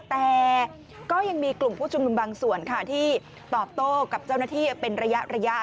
แต่ก็ยังมีกลุ่มผู้ชุมนุมบางส่วนค่ะที่ตอบโต้กับเจ้าหน้าที่เป็นระยะ